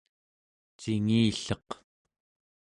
cingilleq